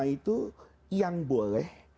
itu yang boleh